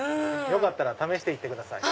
よかったら試して行ってください。